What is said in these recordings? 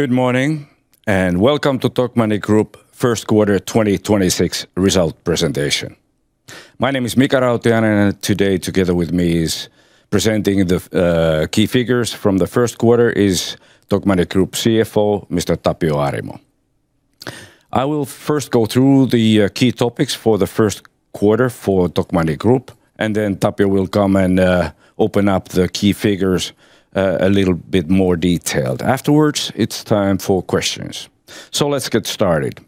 Good morning, welcome to Tokmanni Group first quarter 2026 result presentation. My name is Mika Rautiainen, and today together with me is presenting the key figures from the first quarter is Tokmanni Group CFO, Mr. Tapio Arimo. I will first go through the key topics for the first quarter for Tokmanni Group, and then Tapio will come and open up the key figures a little bit more detailed. Afterwards, it's time for questions. Let's get started.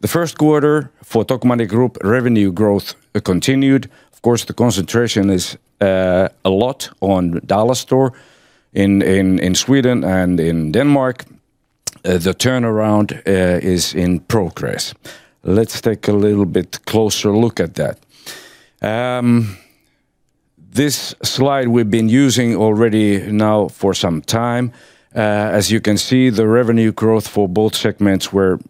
The first quarter for Tokmanni Group revenue growth continued. Of course, the concentration is a lot on Dollarstore in Sweden and in Denmark. The turnaround is in progress. Let's take a little bit closer look at that. This slide we've been using already now for some time. As you can see, the revenue growth for both segments were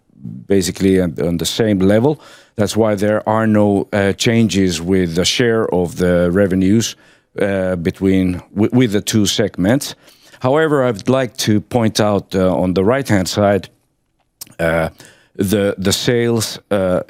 basically on the same level. That's why there are no changes with the share of the revenues between with the two segments. However, I would like to point out on the right-hand side, the sales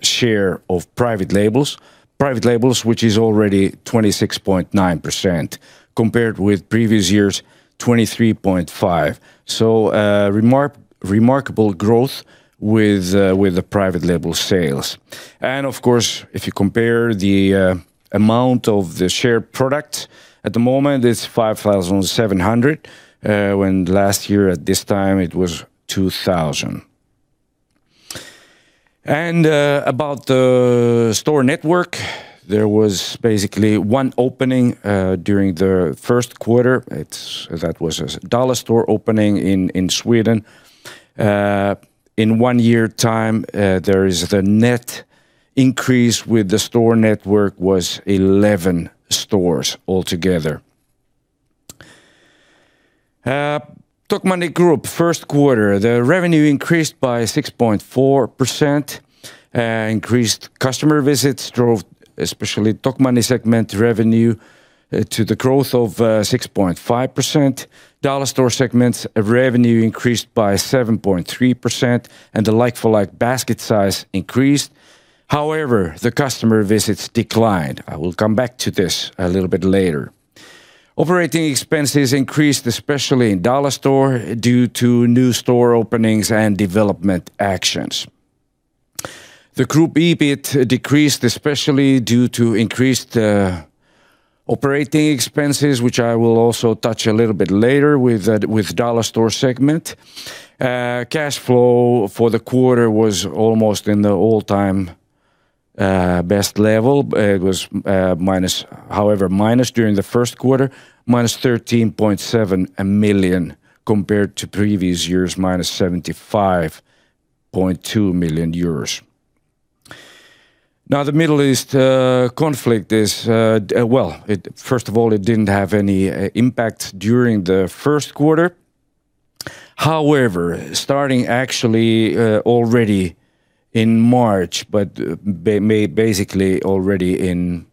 share of private labels. Private labels, which is already 26.9% compared with previous years, 23.5%. Remarkable growth with the private label sales. Of course, if you compare the amount of the share product, at the moment, it's 5,700 when last year at this time it was 2,000. About the store network, there was basically one opening during the first quarter. That was a Dollarstore opening in Sweden. In one year time, there is the net increase with the store network was 11 stores altogether. Tokmanni Group first quarter, the revenue increased by 6.4%. Increased customer visits drove especially Tokmanni segment revenue to the growth of 6.5%. Dollarstore segment's revenue increased by 7.3%, and the like-for-like basket size increased. However, the customer visits declined. I will come back to this a little bit later. Operating expenses increased especially in Dollarstore due to new store openings and development actions. The Group EBIT decreased especially due to increased operating expenses, which I will also touch a little bit later with the Dollarstore segment. Cash flow for the quarter was almost in the all-time best level. It was minus during the first quarter, minus 13.7 million compared to previous years, minus 75.2 million euros. The Middle East conflict is, well, first of all, it didn't have any impact during the first quarter. Starting actually already in March, but May, basically already in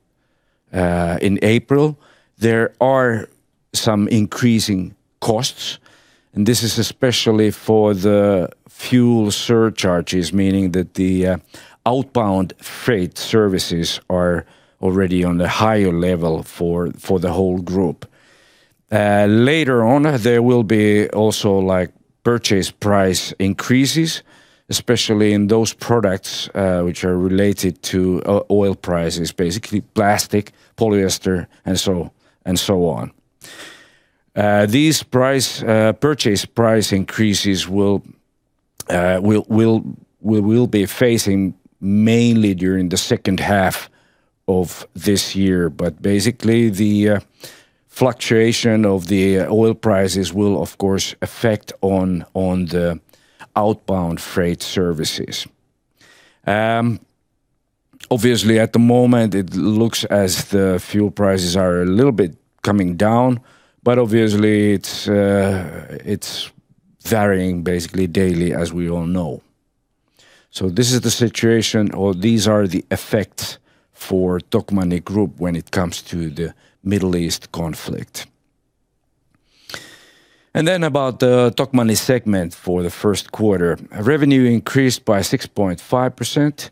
April, there are some increasing costs, and this is especially for the fuel surcharges, meaning that the outbound freight services are already on a higher level for the whole group. Later on, there will be also, like, purchase price increases, especially in those products which are related to oil prices, basically plastic, polyester, and so on. These purchase price increases we'll be facing mainly during the second half of this year. Basically, the fluctuation of the oil prices will of course affect on the outbound freight services. Obviously at the moment, it looks as the fuel prices are a little bit coming down, but obviously, it's varying basically daily, as we all know. This is the situation or these are the effects for Tokmanni Group when it comes to the Middle East conflict. About the Tokmanni segment for the first quarter. Revenue increased by 6.5%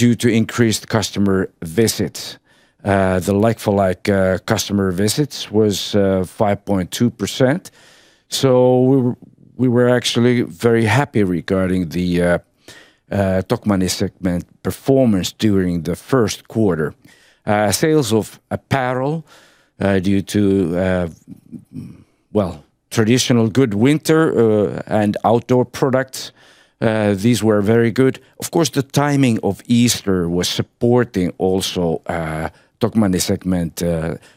due to increased customer visits. The like-for-like customer visits was 5.2%. We were actually very happy regarding the Tokmanni segment performance during the first quarter. Sales of apparel, due to, well, traditional good winter, and outdoor products, these were very good. Of course, the timing of Easter was supporting also Tokmanni segment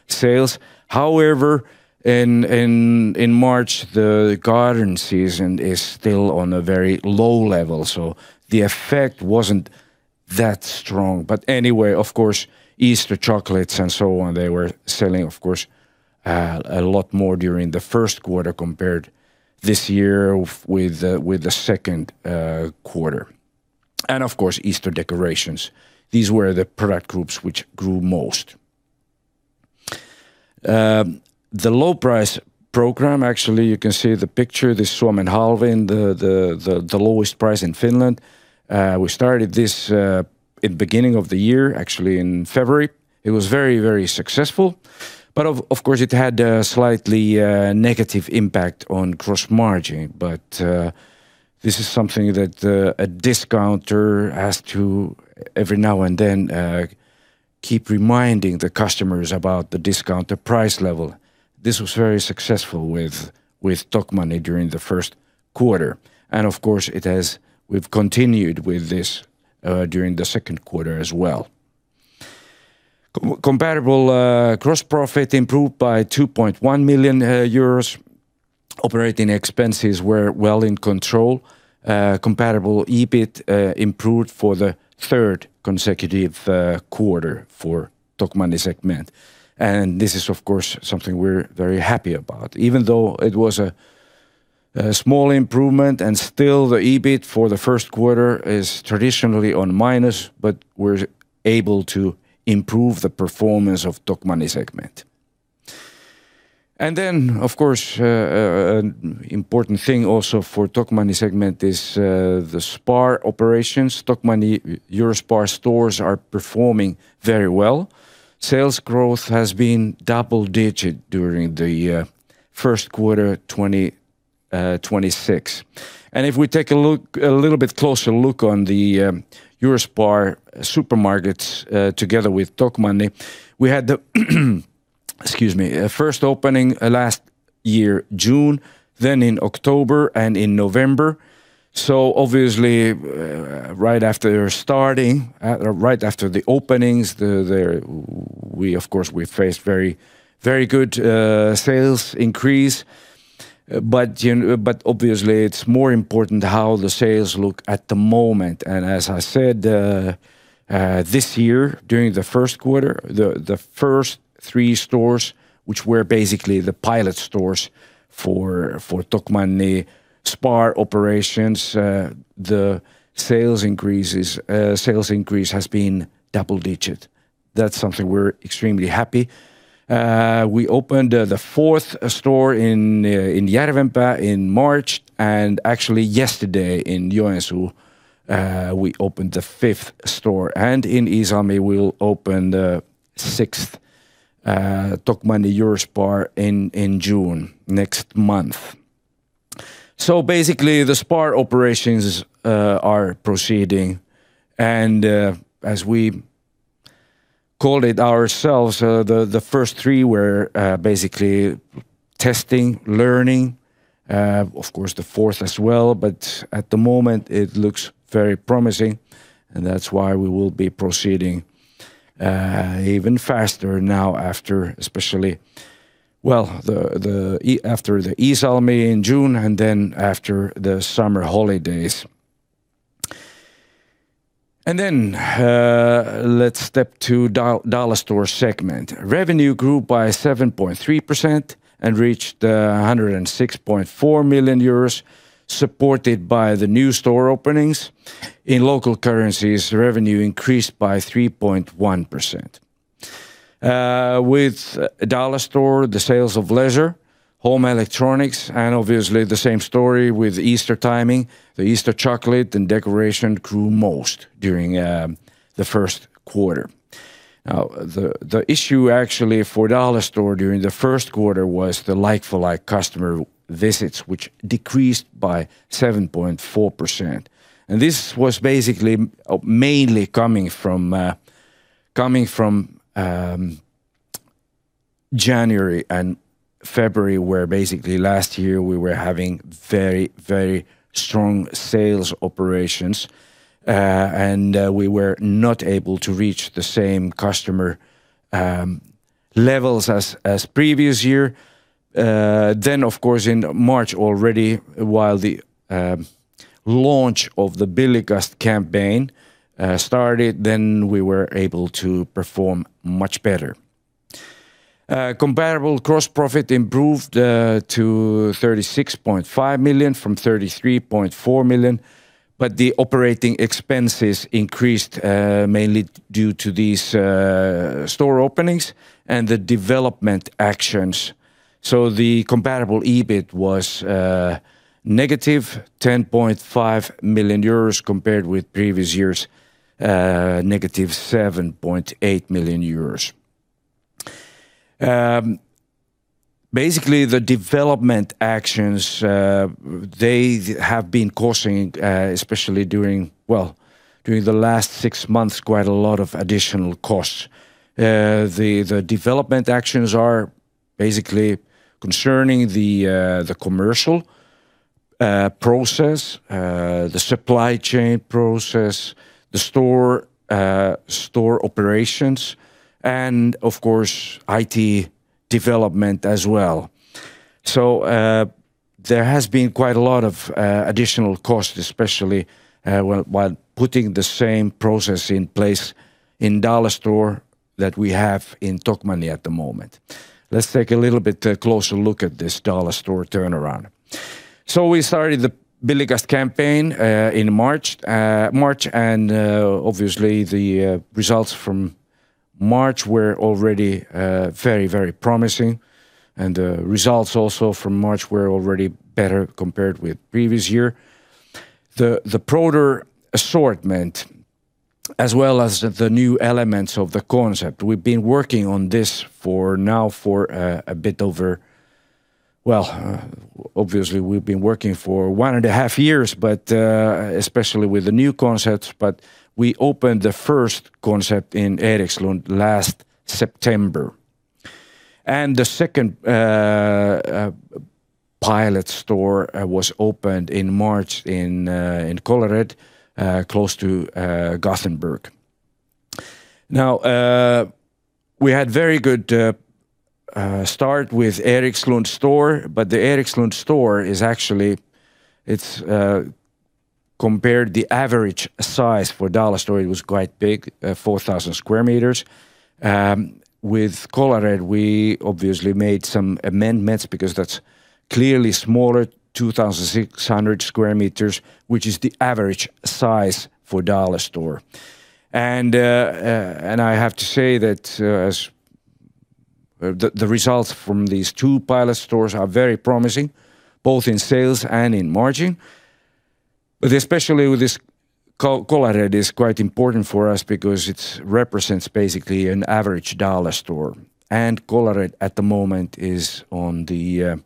sales. However, in March, the garden season is still on a very low level, so the effect wasn't that strong. Anyway, of course, Easter chocolates and so on, they were selling, of course, a lot more during the first quarter compared this year with the second quarter. Of course, Easter decorations. These were the product groups which grew most. The low price program, actually you can see the picture, the Suomen Halvin, the lowest price in Finland. We started this in beginning of the year, actually in February. It was very successful, but of course it had a slightly negative impact on gross margin. This is something that a discounter has to every now and then keep reminding the customers about the discounter price level. This was very successful with Tokmanni during the first quarter, and of course we've continued with this during the second quarter as well. Compatible gross profit improved by 2.1 million euros. Operating expenses were well in control. Compatible EBIT improved for the third consecutive quarter for Tokmanni segment. This is of course something we're very happy about. Even though it was a small improvement and still the EBIT for the first quarter is traditionally on minus, but we're able to improve the performance of Tokmanni segment. Of course, an important thing also for Tokmanni segment is the SPAR operations. Tokmanni EUROSPAR stores are performing very well. Sales growth has been double-digit during the first quarter 2026. If we take a look, a little bit closer look on the EUROSPAR supermarkets, together with Tokmanni, we had the excuse me, first opening last year June, then in October, and in November. Obviously, right after starting, right after the openings, the, there, we of course faced very, very good sales increase. Obviously it's more important how the sales look at the moment. As I said, this year during the first quarter, the first three stores, which were basically the pilot stores for Tokmanni SPAR operations, the sales increase has been double digits. That's something we're extremely happy. We opened the fourth store in Järvenpää in March, and actually yesterday in Joensuu, we opened the fifth store. In Iisalmi we'll open the sixth Tokmanni EUROSPAR in June, next month. Basically the SPAR operations are proceeding and, as we called it ourselves, the first three were basically testing, learning, of course the fourth as well. At the moment it looks very promising, and that's why we will be proceeding even faster now especially after the Iisalmi in June, and then after the summer holidays. Let's step to Dollar Store segment. Revenue grew by 7.3% and reached 106.4 million euros, supported by the new store openings. In local currencies, revenue increased by 3.1%. With Dollarstore, the sales of leisure, home electronics, and obviously the same story with Easter timing, the Easter chocolate and decoration grew most during the first quarter. The issue actually for Dollarstore during the first quarter was the like-for-like customer visits, which decreased by 7.4%. This was basically mainly coming from January and February, where basically last year we were having very strong sales operations, and we were not able to reach the same customer levels as previous year. Of course in March already, while the launch of the Billigast campaign started, then we were able to perform much better. Comparable gross profit improved to 36.5 million from 33.4 million, the operating expenses increased mainly due to these store openings and the development actions. The compatible EBIT was negative 10.5 million euros compared with previous years' negative 7.8 million euros. Basically the development actions, they have been costing, especially during, well, during the last six months, quite a lot of additional costs. The development actions are basically concerning the commercial process, the supply chain process, the store store operations, and of course IT development as well. There has been quite a lot of additional costs, especially while putting the same process in place in Dollarstore that we have in Tokmanni at the moment. Let's take a little bit closer look at this Dollarstore turnaround. We started the Billigast campaign in March. March and obviously the results from March were already very, very promising. The results also from March were already better compared with previous year. The broader assortment as well as the new elements of the concept, we've been working on this for now for a bit over obviously we've been working for 1.5 years, but especially with the new concepts. We opened the first concept in Erikslund last September. The second pilot store was opened in March in Kållered, close to Gothenburg. We had very good start with Erikslund store, but the Erikslund store is actually, it's compared the average size for Dollarstore, it was quite big, 4,000 sq m. With Kållered we obviously made some amendments because that's clearly smaller, 2,600 sq m, which is the average size for Dollarstore. I have to say that, as the results from these two pilot stores are very promising both in sales and in margin, but especially with this Kållered is quite important for us because it represents basically an average Dollar Store. Kållered at the moment is on the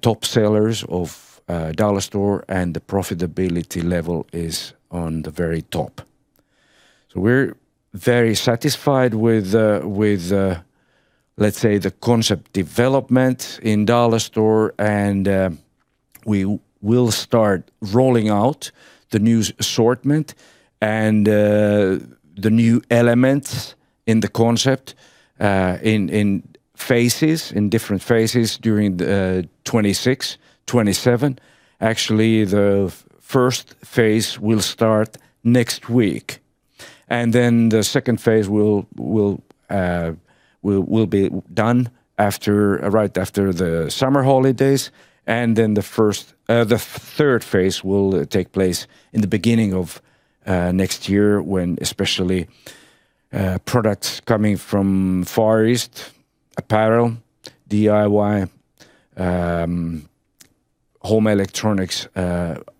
top sellers of Dollar Store, and the profitability level is on the very top. We're very satisfied with, let's say, the concept development in Dollar Store. We will start rolling out the new assortment and the new elements in the concept in phases, in different phases during the 2026, 2027. Actually, the first phase will start next week, the second phase will be done after right after the summer holidays. The first, the third phase will take place in the beginning of next year when especially products coming from Far East, apparel, DIY, home electronics,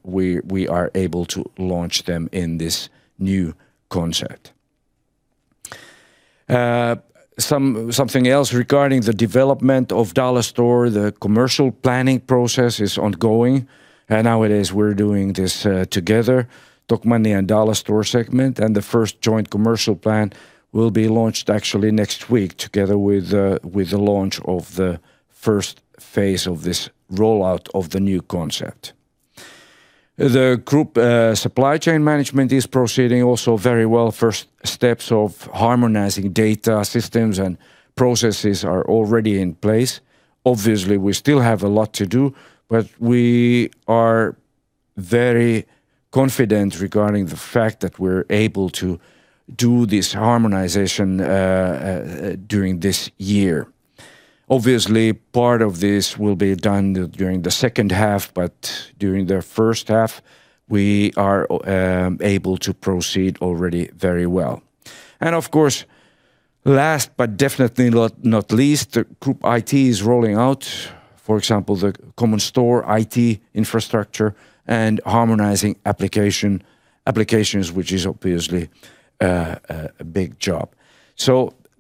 we are able to launch them in this new concept. Something else regarding the development of Dollarstore, the commercial planning process is ongoing, and nowadays we're doing this together, Tokmanni and Dollarstore segment. The first joint commercial plan will be launched actually next week together with the launch of the first phase of this rollout of the new concept. The group supply chain management is proceeding also very well. First steps of harmonizing data systems and processes are already in place. Obviously, we still have a lot to do, but we are very confident regarding the fact that we're able to do this harmonization during this year. Obviously, part of this will be done during the second half, but during the first half we are able to proceed already very well. Of course, last but definitely not least, the group IT is rolling out, for example, the common store IT infrastructure and harmonizing applications, which is obviously a big job.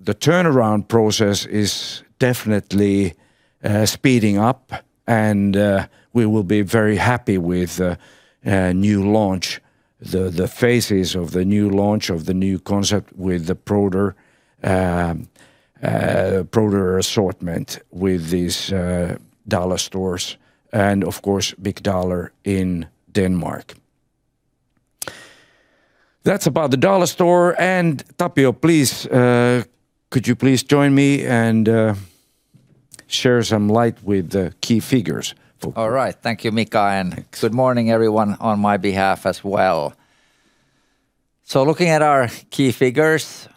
The turnaround process is definitely speeding up, and we will be very happy with a new launch, the phases of the new launch of the new concept with the broader assortment with these Dollar Stores and of course Big Dollar in Denmark. That's about the Dollar Store. Tapio, please, could you please join me, and, share some light with the key figures. All right. Thank you, Mika. Thanks. Good morning everyone on my behalf as well. Looking at our key figures,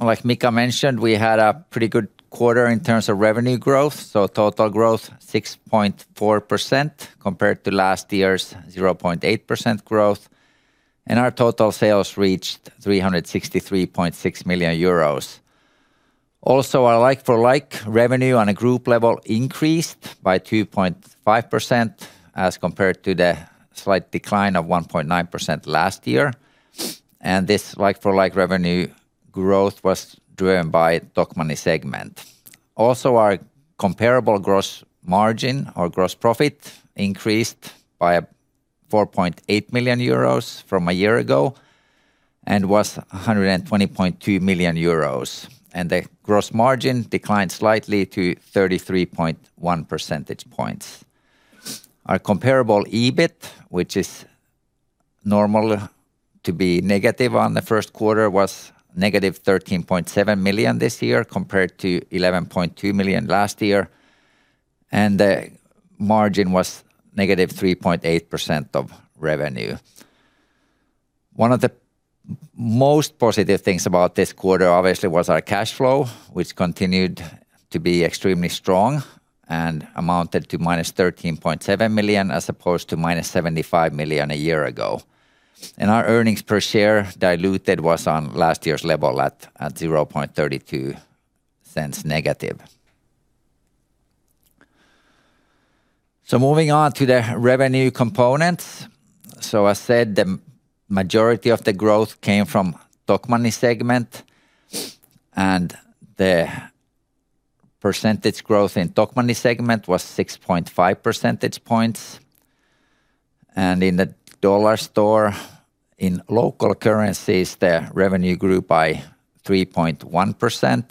like Mika mentioned, we had a pretty good quarter in terms of revenue growth. Total growth 6.4% compared to last year's 0.8% growth. Our total sales reached 363.6 million euros. Also, our like-for-like revenue on a group level increased by 2.5% as compared to the slight decline of 1.9% last year. This like-for-like revenue growth was driven by Tokmanni segment. Also, our comparable gross margin or gross profit increased by 4.8 million euros from a year ago and was 120.2 million euros. The gross margin declined slightly to 33.1 percentage points. Our comparable EBIT, which is normal to be negative on the first quarter, was negative 13.7 million this year, compared to 11.2 million last year, and the margin was negative 3.8% of revenue. One of the most positive things about this quarter obviously was our cash flow, which continued to be extremely strong and amounted to minus 13.7 million as opposed to minus 75 million a year ago. Our earnings per share diluted was on last year's level at 0.32 negative. Moving on to the revenue components. I said the majority of the growth came from Tokmanni segment, and the percentage growth in Tokmanni segment was 6.5 percentage points. In the Dollarstore, in local currencies, the revenue grew by 3.1%.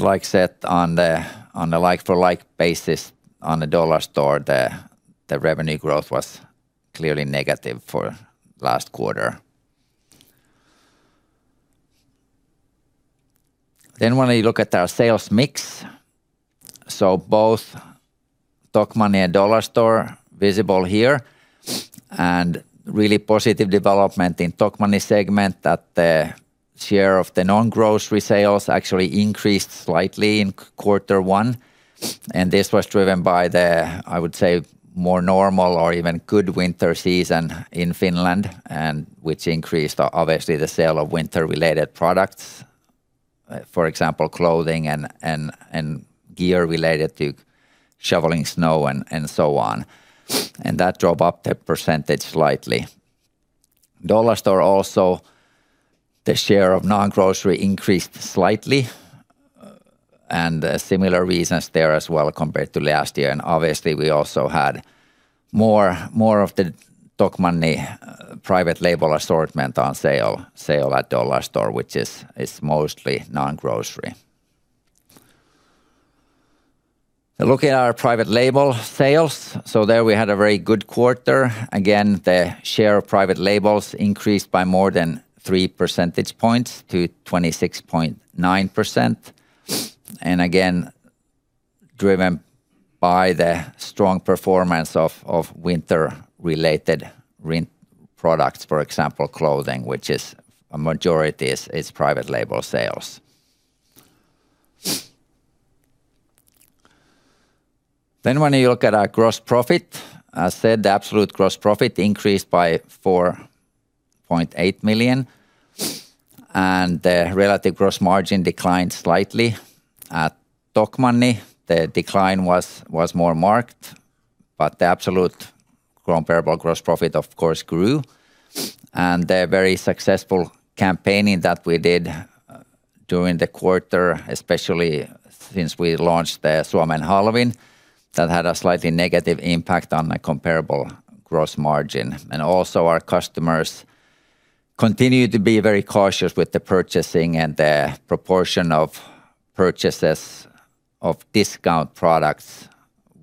Like said, on the like-for-like basis on the Dollarstore, the revenue growth was clearly negative for last quarter. When you look at our sales mix, both Tokmanni and Dollarstore visible here, really positive development in Tokmanni segment that the share of the non-grocery sales actually increased slightly in quarter one. This was driven by the, I would say, more normal or even good winter season in Finland, which increased obviously the sale of winter-related products. For example, clothing and gear related to shoveling snow and so on. That drove up the percentage slightly. Dollarstore also, the share of non-grocery increased slightly, similar reasons there as well compared to last year. Obviously we also had more of the Tokmanni private label assortment on sale at Dollarstore, which is mostly non-grocery. Looking at our private label sales, there we had a very good quarter. Again, the share of private labels increased by more than 3 percentage points to 26.9%. Again, driven by the strong performance of winter-related products. For example, clothing, which is a majority is private label sales. When you look at our gross profit, I said the absolute gross profit increased by 4.8 million, and the relative gross margin declined slightly. At Tokmanni, the decline was more marked, but the absolute comparable gross profit of course grew. The very successful campaigning that we did during the quarter, especially since we launched the Suomen halvin, that had a slightly negative impact on the comparable gross margin. Also our customers continued to be very cautious with the purchasing and the proportion of purchases of discount products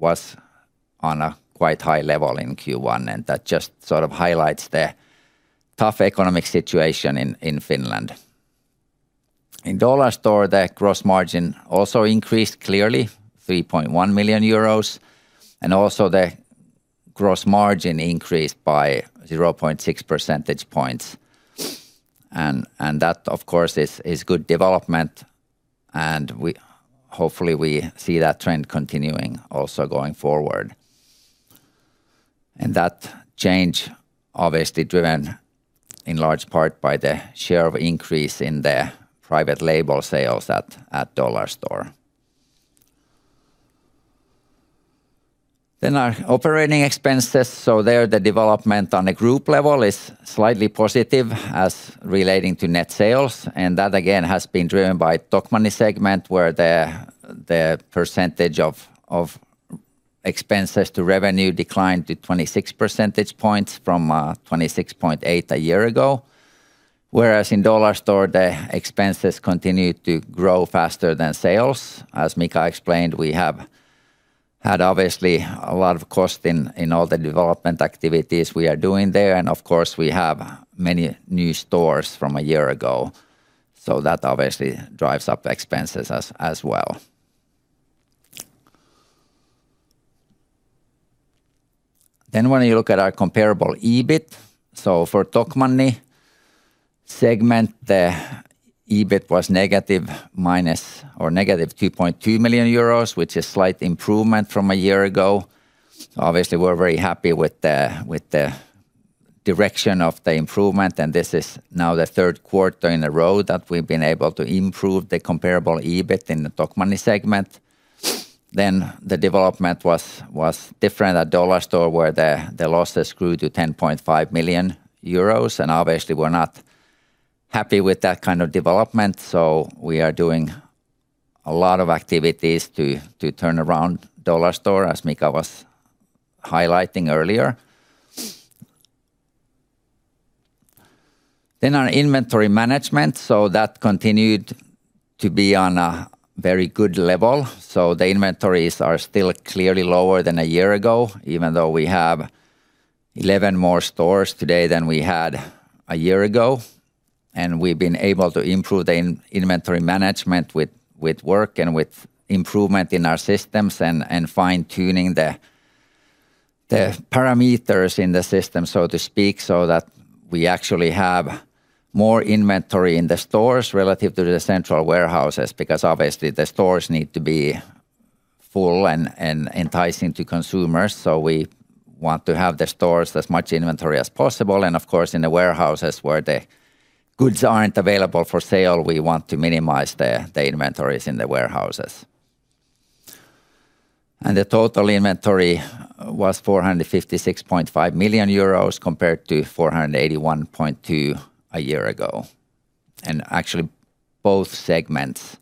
was on a quite high level in Q1, and that just sort of highlights the tough economic situation in Finland. In Dollarstore, the gross margin also increased clearly 3.1 million euros, and also the gross margin increased by 0.6 percentage points. That of course is good development, and we hopefully see that trend continuing also going forward. That change obviously driven in large part by the share of increase in the private label sales at Dollarstore. Our operating expenses. There the development on the group level is slightly positive as relating to net sales, and that again has been driven by Tokmanni segment where the percentage of expenses to revenue declined to 26 percentage points from 26.8 a year ago. Whereas in Dollarstore, the expenses continued to grow faster than sales. As Mika explained, we have had obviously a lot of cost in all the development activities we are doing there, and of course we have many new stores from a year ago, that obviously drives up expenses as well. When you look at our comparable EBIT. For Tokmanni segment, the EBIT was negative 2.2 million euros, which is slight improvement from a year ago. Obviously, we're very happy with the direction of the improvement, and this is now the third quarter in a row that we've been able to improve the comparable EBIT in the Tokmanni segment. The development was different at Dollarstore where the losses grew to 10.5 million euros. Obviously, we're not happy with that kind of development. We are doing a lot of activities to turn around Dollarstore, as Mika was highlighting earlier. Our inventory management. That continued to be on a very good level. The inventories are still clearly lower than a year ago, even though we have 11 more stores today than we had a year ago. We've been able to improve the inventory management with work and with improvement in our systems and fine-tuning the parameters in the system, so to speak, so that we actually have more inventory in the stores relative to the central warehouses because obviously the stores need to be full and enticing to consumers. We want to have the stores as much inventory as possible. Of course, in the warehouses where the goods aren't available for sale, we want to minimize the inventories in the warehouses. The total inventory was 456.5 million euros compared to 481.2 a year ago. Actually both segments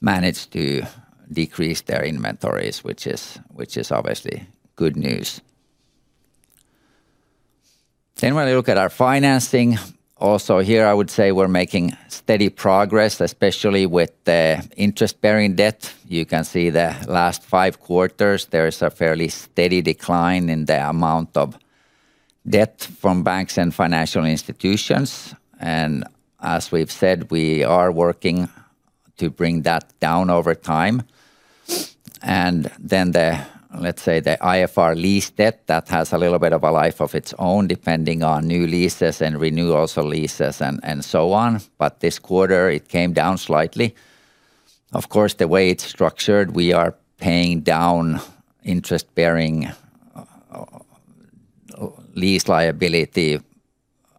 managed to decrease their inventories, which is obviously good news. When you look at our financing, also here I would say we're making steady progress, especially with the interest-bearing debt. You can see the last 5 quarters there is a fairly steady decline in the amount of debt from banks and financial institutions. As we've said, we are working to bring that down over time. The, let's say, the IFRS lease debt, that has a little bit of a life of its own depending on new leases and renewals of leases and so on, but this quarter it came down slightly. Of course, the way it's structured, we are paying down interest-bearing lease liability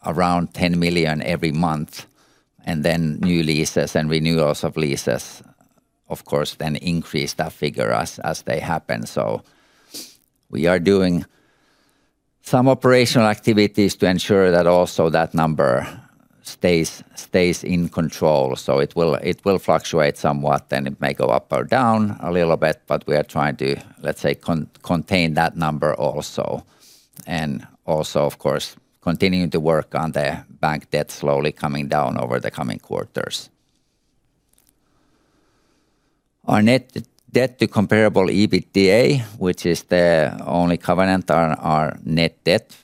around 10 million every month, new leases and renewals of leases of course then increase that figure as they happen. We are doing some operational activities to ensure that also that number stays in control. It will fluctuate somewhat and it may go up or down a little bit, but we are trying to, let's say, contain that number also. Also of course continuing to work on the bank debt slowly coming down over the coming quarters. Our net debt to comparable EBITDA, which is the only covenant on our net debt,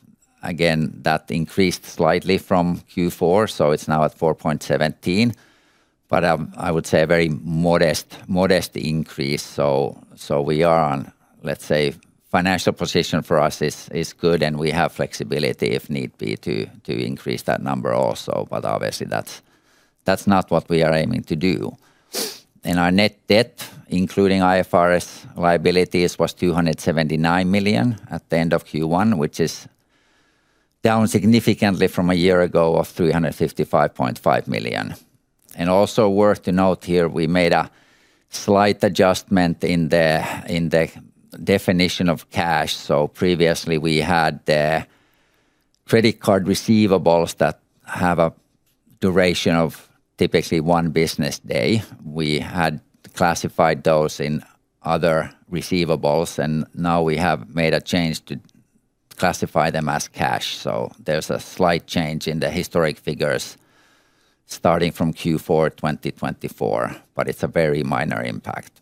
again, that increased slightly from Q4, so it's now at 4.17, but I would say a very modest increase. We are on, let's say, financial position for us is good and we have flexibility if need be to increase that number also, but obviously that's not what we are aiming to do. Our net debt, including IFRS liabilities, was 279 million at the end of Q1, which is down significantly from a year ago of 355.5 million. Also worth to note here, we made a slight adjustment in the definition of cash. Previously we had the credit card receivables that have a duration of typically 1 business day. We had classified those in other receivables, and now we have made a change to classify them as cash. There's a slight change in the historic figures starting from Q4 2024, but it's a very minor impact.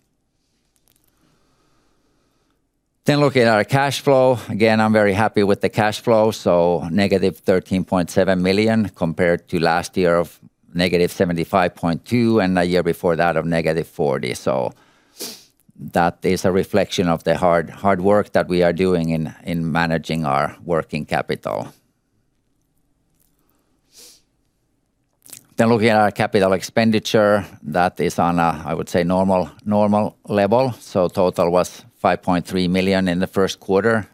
Looking at our cash flow, again, I'm very happy with the cash flow, negative 13.7 million compared to last year of negative 75.2 million and the year before that of negative 40 million. That is a reflection of the hard work that we are doing in managing our working capital. Looking at our capital expenditure, that is on a, I would say, normal level. Total was 5.3 million in the first quarter.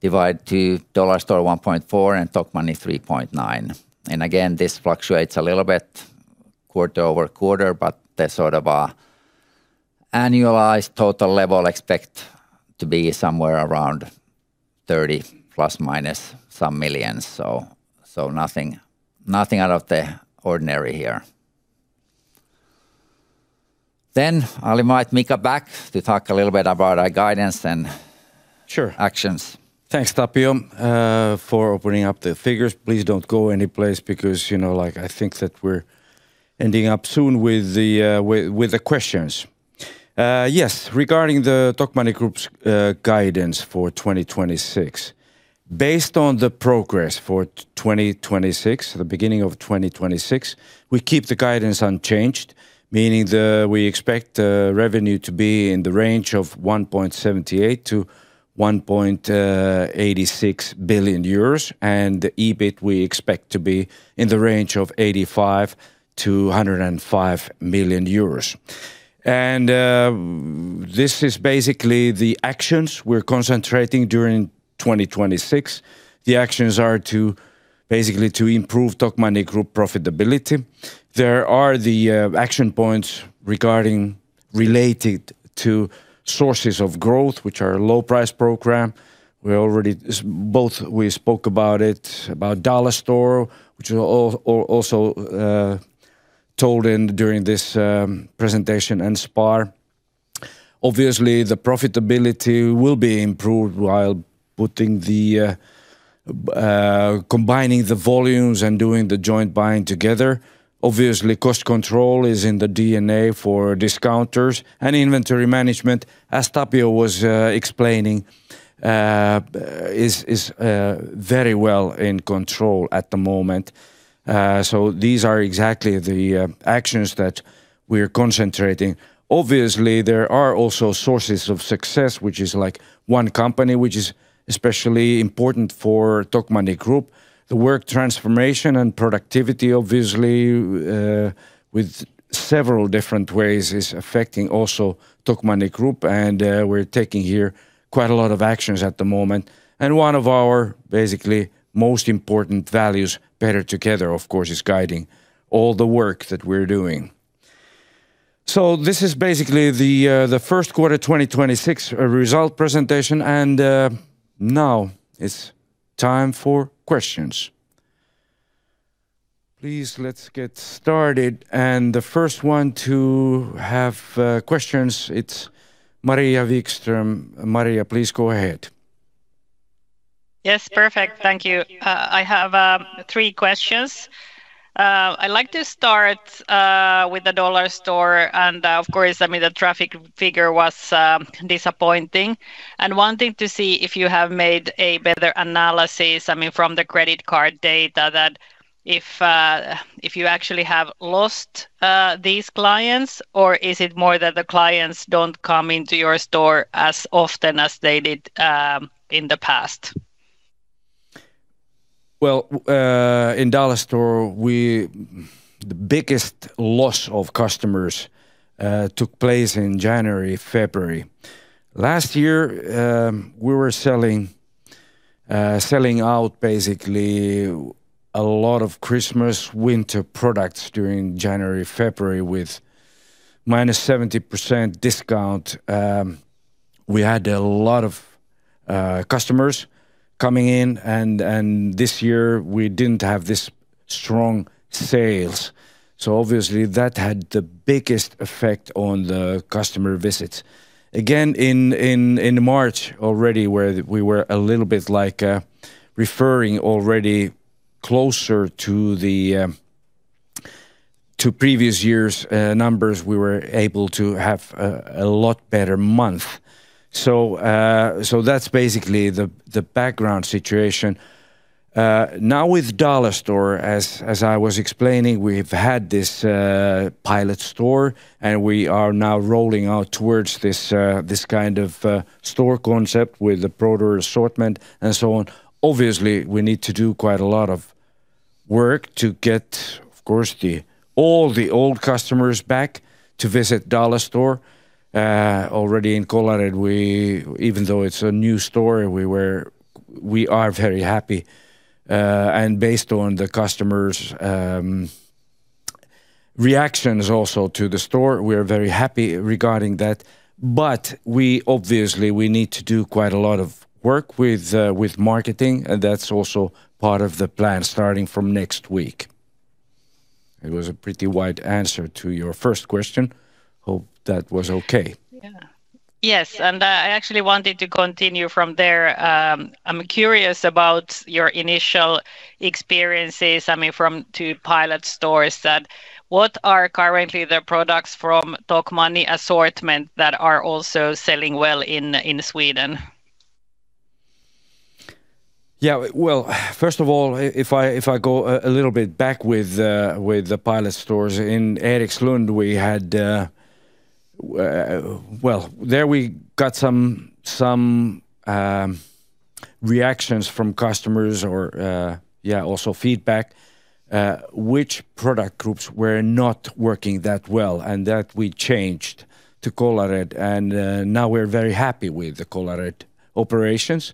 Divided to Dollarstore 1.4 million and Tokmanni 3.9 million. Again, this fluctuates a little bit quarter over quarter, but the sort of annualized total level expect to be somewhere around 30 million plus minus some million. Nothing out of the ordinary here. I'll invite Mika back to talk a little bit about our guidance. Sure actions. Thanks, Tapio, for opening up the figures. Please don't go anyplace because, you know, like, I think that we're ending up soon with the questions. Yes. Regarding the Tokmanni Group's guidance for 2026. Based on the progress for 2026, the beginning of 2026, we keep the guidance unchanged, meaning we expect the revenue to be in the range of 1.78 billion-1.86 billion euros, the EBIT we expect to be in the range of 85 million-105 million euros. This is basically the actions we're concentrating during 2026. The actions are basically to improve Tokmanni Group profitability. There are action points related to sources of growth, which are low price program. We already both we spoke about it, about Dollarstore, which also told in during this presentation and SPAR. Obviously, the profitability will be improved while putting the combining the volumes and doing the joint buying together. Obviously, cost control is in the DNA for discounters and inventory management, as Tapio was explaining, is very well in control at the moment. So these are exactly the actions that we are concentrating. Obviously, there are also sources of success, which is like one company, which is especially important for Tokmanni Group. The work transformation and productivity, obviously, with several different ways is affecting also Tokmanni Group, and we're taking here quite a lot of actions at the moment. One of our basically most important values, Better Together, of course, is guiding all the work that we're doing. This is basically the first quarter 2026 result presentation and now it's time for questions. Please, let's get started, and the first one to have questions, it's Maria Wikström. Maria, please go ahead. Yes. Perfect. Thank you. I have three questions. I'd like to start with the Dollarstore and, of course, I mean, the traffic figure was disappointing. wanted to see if you have made a better analysis, I mean, from the credit card data that if you actually have lost these clients, or is it more that the clients don't come into your store as often as they did in the past? Well, in Dollarstore, the biggest loss of customers took place in January, February. Last year, we were selling out basically a lot of Christmas winter products during January, February with minus 70% discount. We had a lot of customers coming in, and this year we didn't have this strong sales. Obviously, that had the biggest effect on the customer visits. Again, in March already, where we were a little bit like, referring already closer to the previous years' numbers, we were able to have a lot better month. That's basically the background situation. Now with Dollarstore, as I was explaining, we've had this pilot store, and we are now rolling out towards this kind of store concept with a broader assortment, and so on. Obviously, we need to do quite a lot of work to get, of course, all the old customers back to visit Dollarstore. Already in Kållered, Even though it's a new store, we are very happy. Based on the customers' reactions also to the store, we are very happy regarding that. We obviously need to do quite a lot of work with marketing, and that's also part of the plan starting from next week. It was a pretty wide answer to your first question. Hope that was okay. Yeah. Yes. I actually wanted to continue from there. I am curious about your initial experiences, I mean, from 2 pilot stores that what are currently the products from Tokmanni assortment that are also selling well in Sweden? Well, first of all, if I go a little bit back with the pilot stores. In Erikslund, we had, well, there we got some reactions from customers or also feedback, which product groups were not working that well and that we changed to Kållered, now we're very happy with the Kållered operations.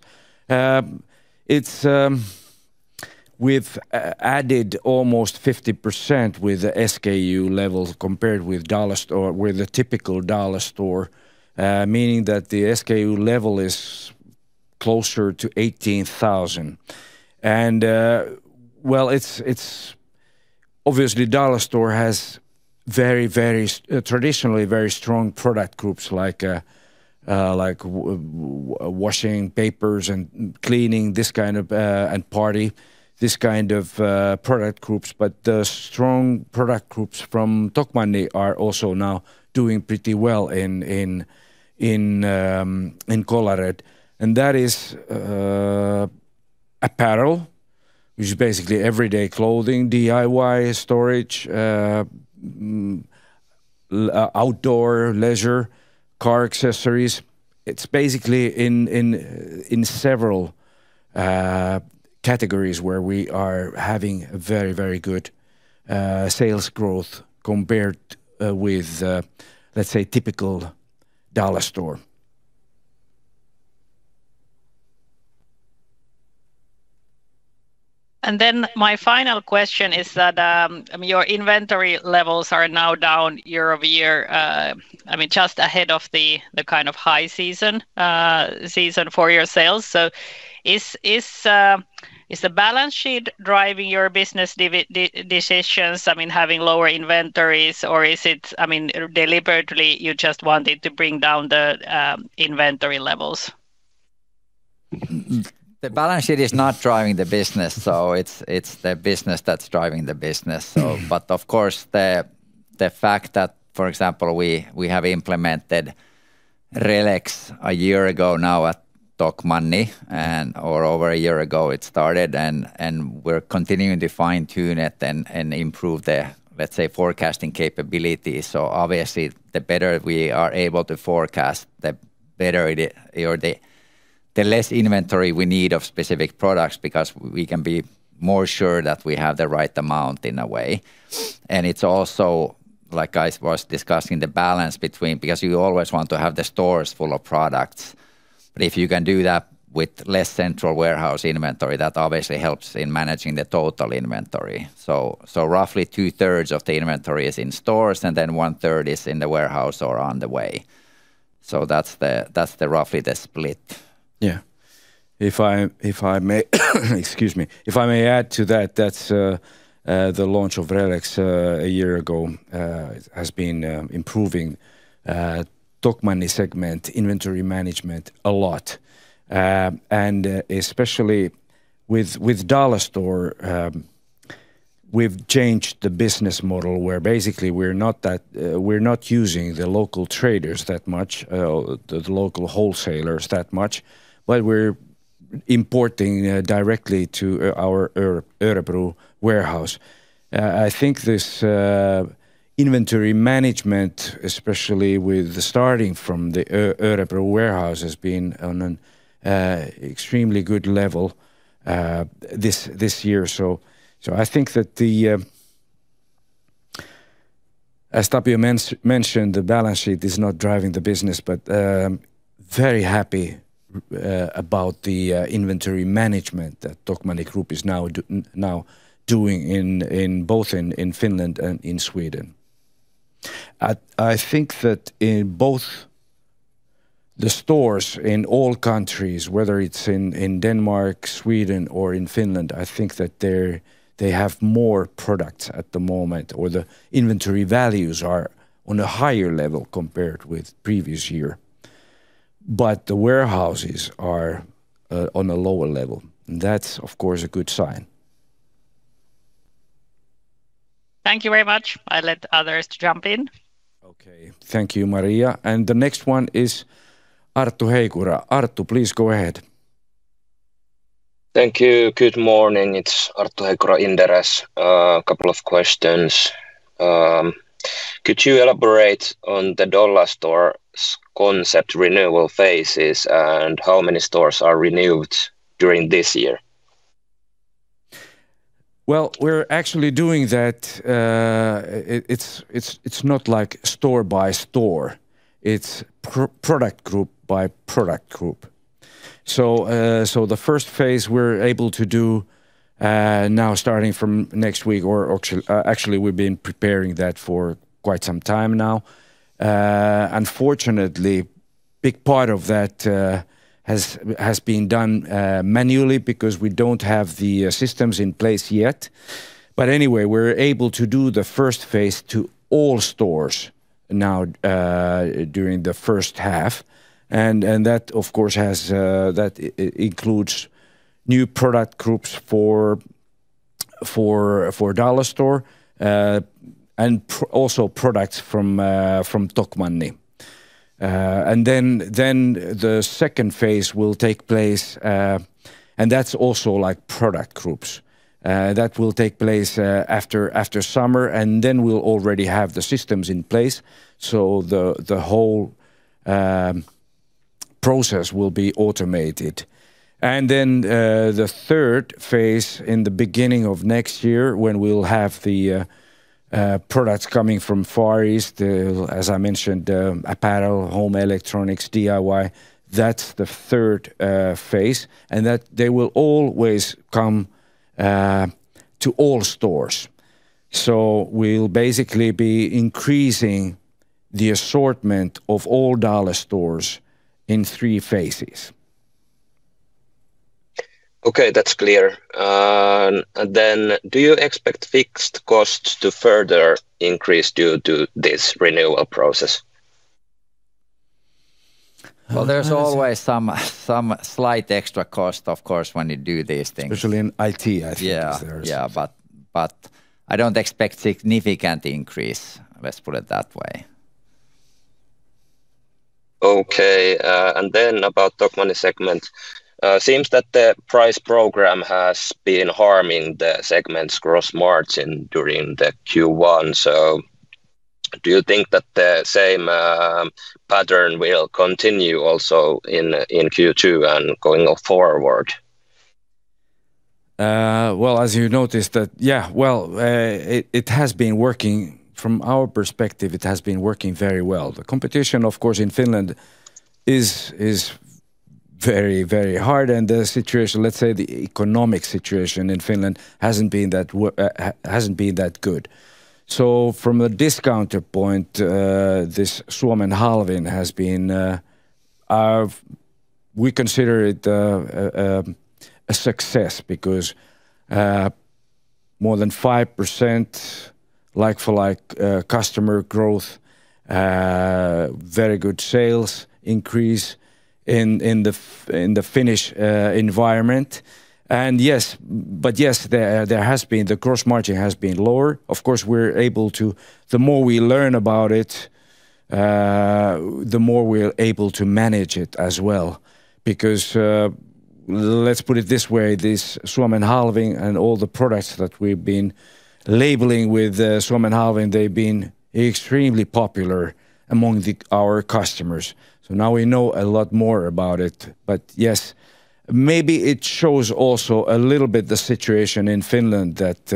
We've added almost 50% with SKU levels compared with Dollarstore, with a typical Dollarstore, meaning that the SKU level is closer to 18,000. Well, obviously, Dollarstore has very, traditionally very strong product groups like washing papers and cleaning, this kind of, and party, this kind of, product groups. The strong product groups from Tokmanni are also now doing pretty well in Kållered, and that is apparel, which is basically everyday clothing, DIY storage, outdoor leisure, car accessories. It's basically in several categories where we are having very good sales growth compared with, let's say, typical Dollarstore. My final question is that, I mean, your inventory levels are now down year-over-year, I mean, just ahead of the kind of high season for your sales. Is the balance sheet driving your business decisions, I mean, having lower inventories, or is it, I mean, deliberately you just wanted to bring down the inventory levels? The balance sheet is not driving the business, it's the business that's driving the business. Of course the fact that, for example, we have implemented RELEX a year ago now at Tokmanni over a year ago it started and we're continuing to fine-tune it and improve the, let's say, forecasting capabilities. Obviously the better we are able to forecast, the less inventory we need of specific products because we can be more sure that we have the right amount in a way. It's also, like I was discussing, the balance between, because you always want to have the stores full of products, if you can do that with less central warehouse inventory, that obviously helps in managing the total inventory. Roughly two-thirds of the inventory is in stores and then one-third is in the warehouse or on the way. That's the roughly the split. Yeah. If I, if I may, excuse me. If I may add to that, the launch of RELEX a year ago has been improving Tokmanni segment inventory management a lot. And especially with Dollarstore, we've changed the business model where basically we're not using the local traders that much, the local wholesalers that much, but we're importing directly to our Örebro warehouse. I think this inventory management, especially with the starting from the Örebro warehouse has been on an extremely good level this year. I think that as Tapio mentioned, the balance sheet is not driving the business, but very happy about the inventory management that Tokmanni Group is now doing in both Finland and in Sweden. I think that in both the stores in all countries, whether it's in Denmark, Sweden, or in Finland, I think that they have more products at the moment, or the inventory values are on a higher level compared with previous year. The warehouses are on a lower level, and that's of course a good sign. Thank you very much. I let others to jump in. Okay. Thank you, Maria. The next one is Arttu Heikura. Arttu, please go ahead. Thank you. Good morning. It's Arttu Heikura, Inderes. A couple of questions. Could you elaborate on the Dollarstore concept renewal phases and how many stores are renewed during this year? We're actually doing that, it's not like store by store. It's product group by product group. The first phase we're able to do now starting from next week or to actually we've been preparing that for quite some time now. Unfortunately, big part of that has been done manually because we don't have the systems in place yet. We're able to do the first phase to all stores now during the first half. That of course has that includes new product groups for Dollarstore, and also products from Tokmanni. The second phase will take place, that's also like product groups. That will take place after summer, we'll already have the systems in place, so the whole process will be automated. The third phase in the beginning of next year when we'll have the products coming from Far East, as I mentioned, apparel, home electronics, DIY, that's the third phase. They will always come to all stores. We'll basically be increasing the assortment of all Dollarstores in three phases. Okay, that's clear. Do you expect fixed costs to further increase due to this renewal process? Well, there's always some slight extra cost of course when you do these things. Especially in IT, I think there is. Yeah. Yeah, but I don't expect significant increase. Let's put it that way. Okay. About Tokmanni segment. Seems that the price program has been harming the segment's gross margin during the Q1. Do you think that the same pattern will continue also in Q2 and going forward? Well, as you noticed that, well, it has been working. From our perspective, it has been working very well. The competition, of course, in Finland is very, very hard, and the situation, let's say the economic situation in Finland hasn't been that good. From a discounter point, this Suomen halvin has been a We consider it a success because More than 5% like-for-like customer growth. Very good sales increase in the Finnish environment. Yes, there has been, the gross margin has been lower. The more we learn about it, the more we're able to manage it as well because, let's put it this way, this Suomen halvin and all the products that we've been labeling with, Suomen halvin, they've been extremely popular among our customers. Now we know a lot more about it. Yes, maybe it shows also a little bit the situation in Finland that,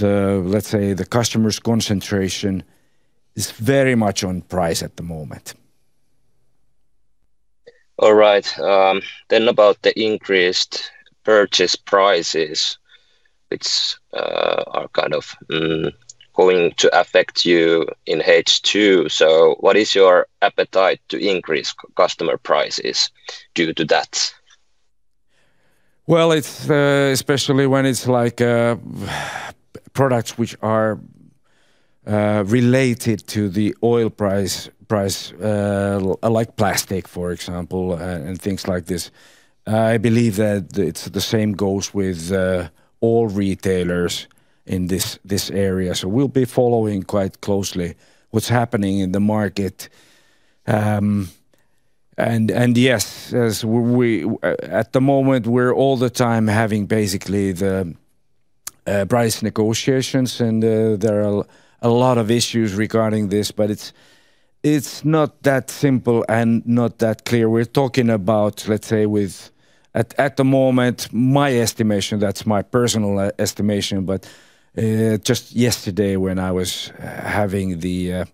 let's say, the customers' concentration is very much on price at the moment. All right. About the increased purchase prices, it's are kind of going to affect you in H2. What is your appetite to increase customer prices due to that? It's especially when it's like products which are related to the oil price, like plastic, for example, and things like this. I believe that it's the same goes with all retailers in this area. We'll be following quite closely what's happening in the market. And yes, as we at the moment, we're all the time having basically the price negotiations and there are a lot of issues regarding this, but it's not that simple and not that clear. We're talking about, let's say, with at the moment, my estimation, that's my personal estimation, just yesterday when I was having the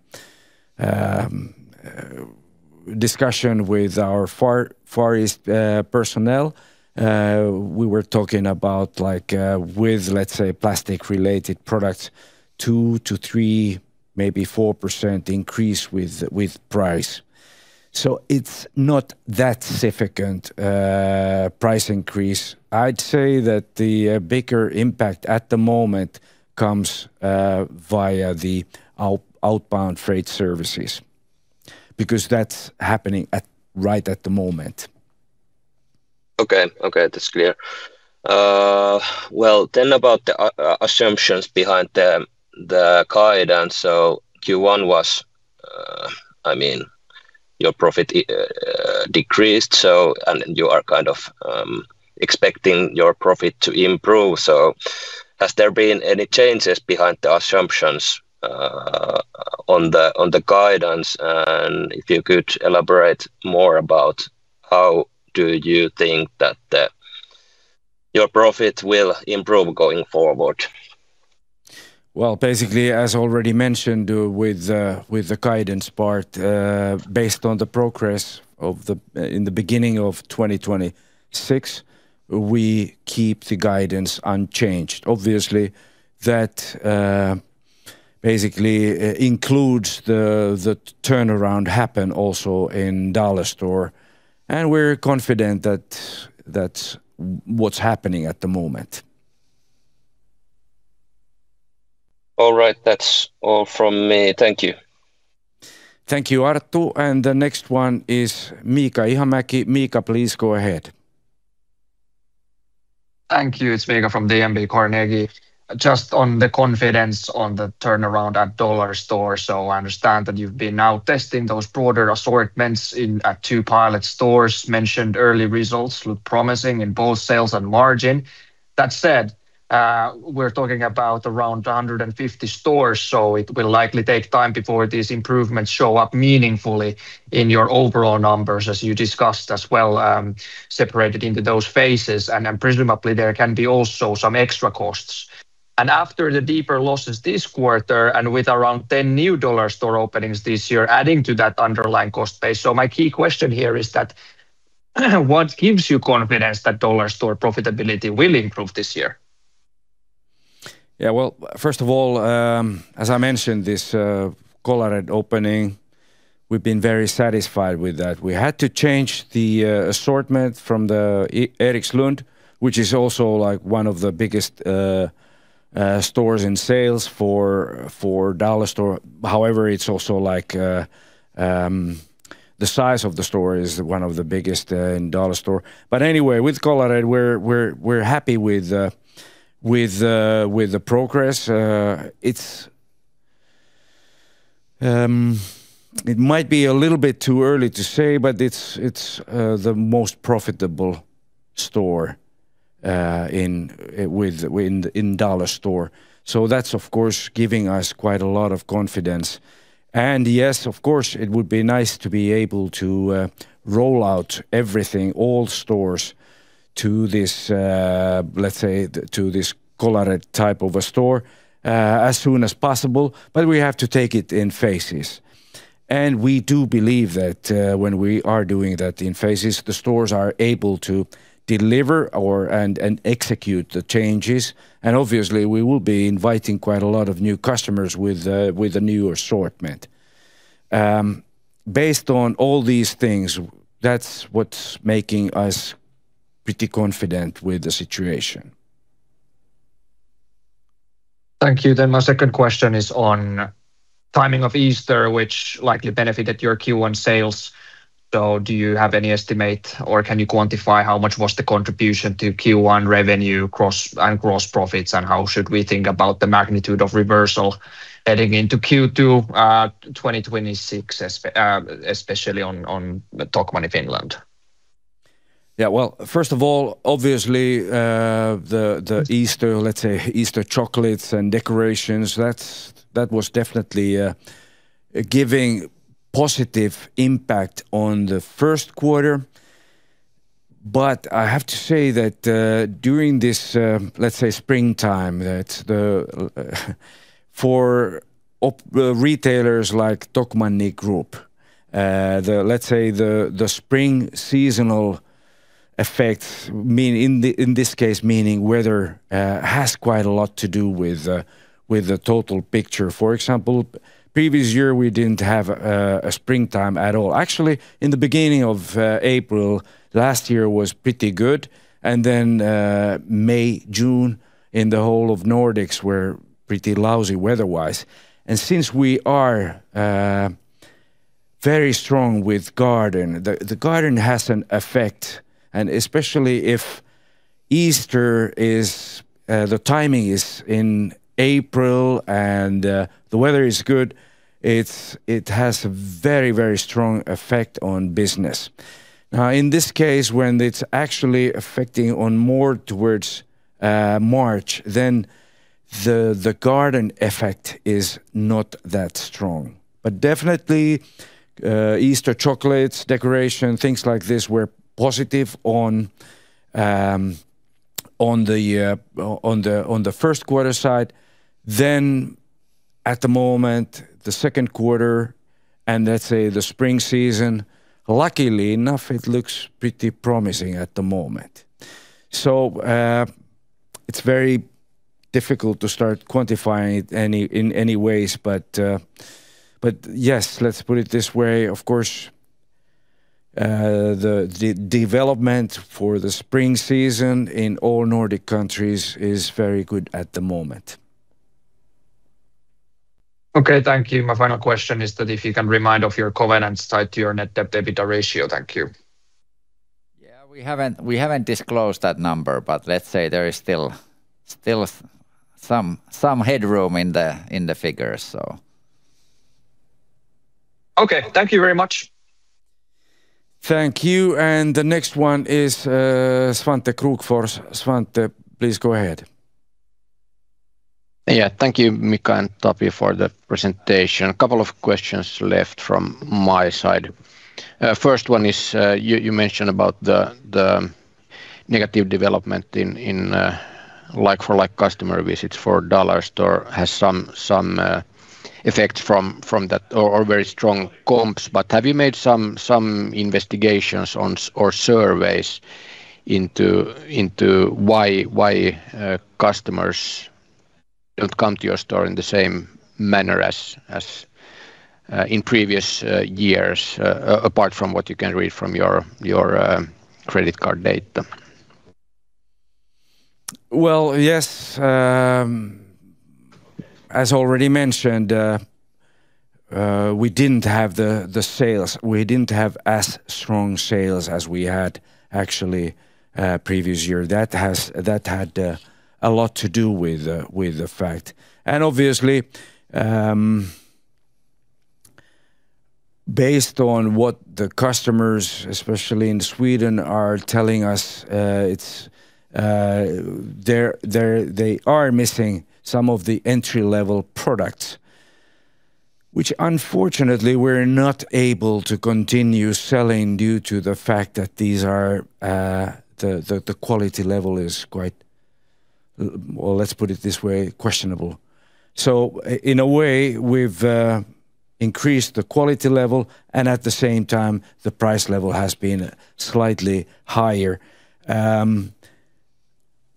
discussion with our Far East personnel, we were talking about, like, with, let's say, plastic related products, 2%-3%, maybe 4% increase with price. It's not that significant price increase. I'd say that the bigger impact at the moment comes via the outbound freight services, because that's happening right at the moment. Okay. Okay, that's clear. Well, about the assumptions behind the guidance. Q1 was, I mean, your profit decreased, so, and you are kind of expecting your profit to improve. Has there been any changes behind the assumptions on the guidance? If you could elaborate more about how do you think that your profit will improve going forward? Well, basically, as already mentioned with the guidance part, based on the progress of the, in the beginning of 2026, we keep the guidance unchanged. Obviously, that, basically, includes the turnaround happen also in Dollarstore, and we're confident that that's what's happening at the moment. All right. That's all from me. Thank you. Thank you, Arttu. The next one is Miika Ihamäki. Miika, please go ahead. Thank you. It's Miika from DNB Carnegie. On the confidence on the turnaround at Dollarstore. I understand that you've been now testing those broader assortments in, at 2 pilot stores, mentioned early results look promising in both sales and margin. That said, we're talking about around 150 stores, it will likely take time before these improvements show up meaningfully in your overall numbers as you discussed as well, separated into those phases. Presumably there can be also some extra costs. After the deeper losses this quarter, and with around 10 new Dollarstore openings this year adding to that underlying cost base. My key question here is that, what gives you confidence that Dollarstore profitability will improve this year? Yeah. Well, first of all, as I mentioned, this Kållered opening, we've been very satisfied with that. We had to change the assortment from the Erikslund, which is also, like, one of the biggest stores in sales for Dollarstore. It's also like the size of the store is one of the biggest in Dollarstore. Anyway, with Kållered we're happy with the progress. It might be a little bit too early to say, but it's the most profitable store in Dollarstore. That's, of course, giving us quite a lot of confidence. Yes, of course, it would be nice to be able to roll out everything, all stores to this, let's say, to this Kållered type of a store, as soon as possible, but we have to take it in phases. We do believe that, when we are doing that in phases, the stores are able to deliver or, and execute the changes. Obviously, we will be inviting quite a lot of new customers with the new assortment. Based on all these things, that's what's making us pretty confident with the situation. Thank you. My second question is on timing of Easter, which likely benefited your Q1 sales. Do you have any estimate or can you quantify how much was the contribution to Q1 revenue cross, and gross profits and how should we think about the magnitude of reversal heading into Q2, 2026 especially on Tokmanni Finland? Well, first of all, obviously, the Easter, let's say Easter chocolates and decorations, that was definitely giving positive impact on the first quarter. I have to say that during this, let's say springtime, that for retailers like Tokmanni Group, the, let's say the spring seasonal effects mean in this case meaning weather, has quite a lot to do with the total picture. For example, previous year we didn't have a springtime at all. In the beginning of April last year was pretty good and then May, June in the whole of Nordics were pretty lousy weather-wise. Since we are very strong with garden, the garden has an effect and especially if Easter is the timing is in April and the weather is good, it has a very, very strong effect on business. Now, in this case, when it's actually affecting on more towards March, then the garden effect is not that strong. Definitely, Easter chocolates, decoration, things like this were positive on the first quarter side. At the moment, the second quarter, and let's say the spring season, luckily enough, it looks pretty promising at the moment. It's very difficult to start quantifying it any, in any ways, but yes, let's put it this way. Of course, the development for the spring season in all Nordic countries is very good at the moment. Okay. Thank you. My final question is that if you can remind of your covenant side to your net debt EBITDA ratio. Thank you. Yeah. We haven't disclosed that number, but let's say there is still some headroom in the figures. Okay. Thank you very much. Thank you. The next one is Svante Krokfors. Svante, please go ahead. Thank you, Mika and Topi, for the presentation. A couple of questions left from my side. First one is, you mentioned about the negative development in like-for-like customer visits for Dollarstore has some effect from that or very strong comps. Have you made some investigations or surveys into why customers don't come to your store in the same manner as in previous years, apart from what you can read from your credit card data? Well, yes. As already mentioned, we didn't have the sales. We didn't have as strong sales as we had actually previous year. That had a lot to do with the fact. Obviously, based on what the customers, especially in Sweden, are telling us, it's they are missing some of the entry-level products, which unfortunately we're not able to continue selling due to the fact that these are the quality level is quite, well, let's put it this way, questionable. In a way, we've increased the quality level, and at the same time, the price level has been slightly higher.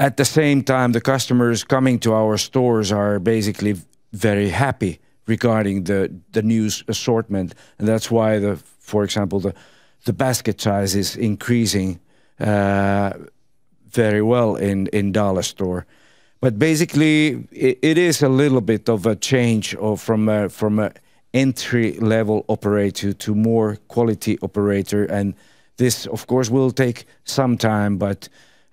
At the same time, the customers coming to our stores are basically very happy regarding the new assortment, that's why, for example, the basket size is increasing very well in Dollarstore. Basically, it is a little bit of a change of from a entry-level operator to more quality operator, this of course will take some time.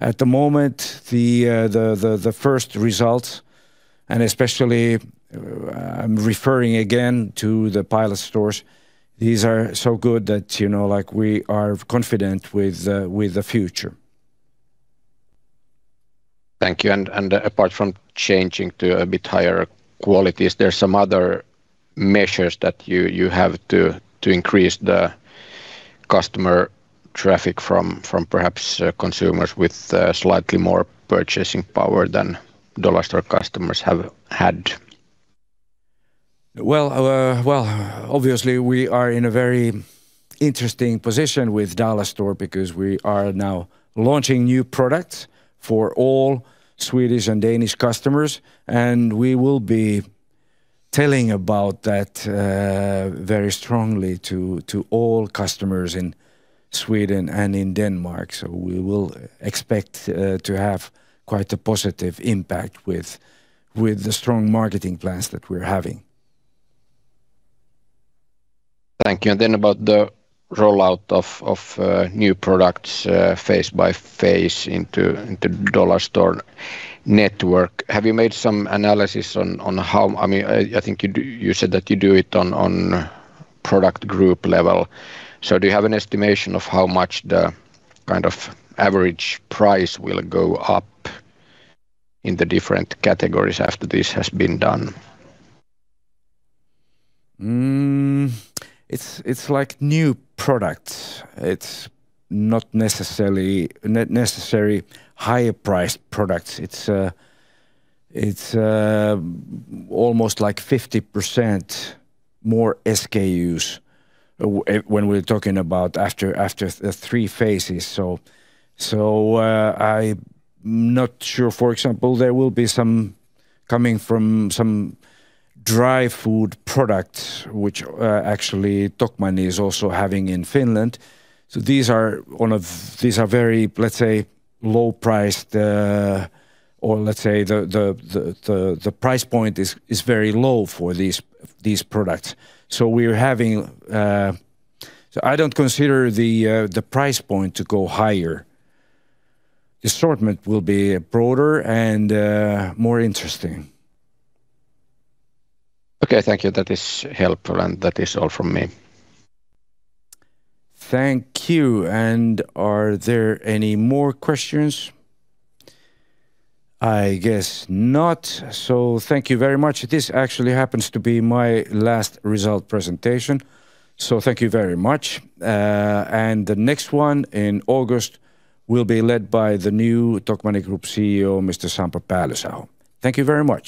At the moment, the first results, especially, I'm referring again to the pilot stores, these are so good that, you know, like, we are confident with the future. Thank you. Apart from changing to a bit higher quality, is there some other measures that you have to increase the customer traffic from perhaps consumers with slightly more purchasing power than Dollarstore customers have had? Well, obviously, we are in a very interesting position with Dollarstore because we are now launching new products for all Swedish and Danish customers, and we will be telling about that very strongly to all customers in Sweden and in Denmark. We will expect to have quite a positive impact with the strong marketing plans that we're having. Thank you. About the rollout of new products phase by phase into Dollarstore network. Have you made some analysis on how I mean, you said that you do it on product group level. Do you have an estimation of how much the kind of average price will go up in the different categories after this has been done? It's like new products. It's not necessarily higher priced products. It's almost like 50% more SKUs when we're talking about after the 3 phases. I'm not sure. For example, there will be some coming from some dry food products, which actually Tokmanni is also having in Finland. These are very, let's say, low priced, or let's say the price point is very low for these products. I don't consider the price point to go higher. The assortment will be broader and more interesting. Okay. Thank you. That is helpful. That is all from me. Thank you. Are there any more questions? I guess not. Thank you very much. This actually happens to be my last result presentation, so thank you very much. The next one in August will be led by the new Tokmanni Group CEO, Mr. Sampo Päällysaho. Thank you very much.